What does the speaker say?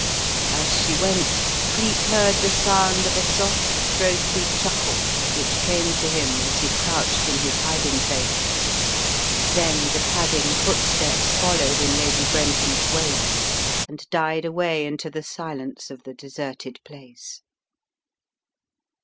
As she went, Cleek heard the sound of a soft, throaty chuckle which came to him as he crouched in his hiding place. Then the padding footsteps followed in Lady Brenton's wake and died away into the silence of the deserted place.